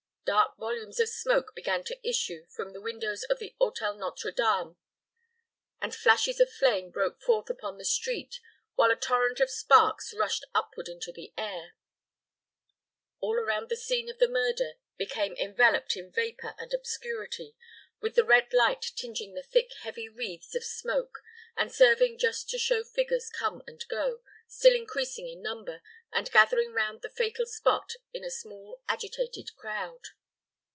Dark volumes of smoke began to issue from the windows of the Hôtel Nôtre Dame, and flashes of flame broke forth upon the street, while a torrent of sparks rushed upward into the air. All around the scene of the murder became enveloped in vapor and obscurity, with the red light tinging the thick, heavy wreaths of smoke, and serving just to show figures come and go, still increasing in number, and gathering round the fatal spot in a small, agitated crowd.